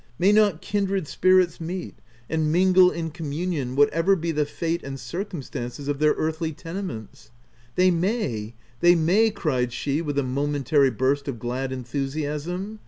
May not kindred spirits meet, and mingle in communion h 2 148 THE TENANT whatever be the fate and circumstances of their earthly tenements ?" "They may, they may!" cried she with a momentary burst of glad enthusiasm.